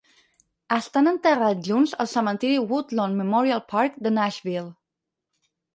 Estan enterrats junts al cementiri Woodlawn Memorial Park de Nashville.